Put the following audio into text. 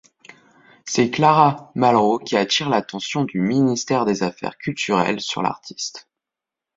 C'est Clara Malraux qui attire l'attention du ministère des Affaires culturelles sur l'artiste.